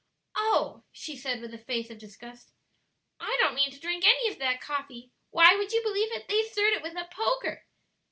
"Oh!" she said with a face of disgust, "I don't mean to drink any of that coffee; why, would you believe it, they stirred it with a poker?"